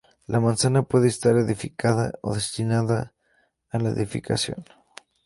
La manzana puede estar edificada o destinada a la edificación.